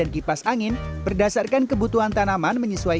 kita bisa memprediksi